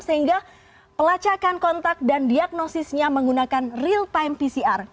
sehingga pelacakan kontak dan diagnosisnya menggunakan real time pcr